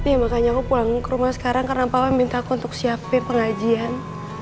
iya makanya aku pulang ke rumah sekarang karena papa minta aku untuk siapin pengajian